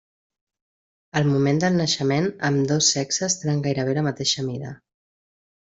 Al moment del naixement ambdós sexes tenen gairebé la mateixa mida.